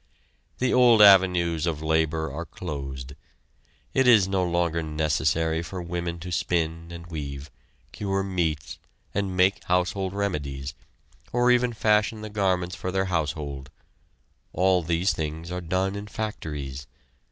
The old avenues of labor are closed. It is no longer necessary for women to spin and weave, cure meats, and make household remedies, or even fashion the garments for their household. All these things are done in factories.